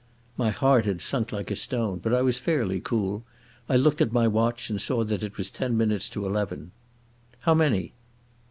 My heart had sunk like a stone, but I was fairly cool. I looked at my watch and saw that it was ten minutes to eleven. "How many?"